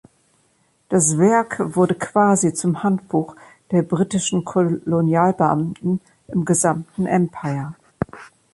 Das Werk wurde quasi zum Handbuch der britischen Kolonialbeamten im gesamten Empire.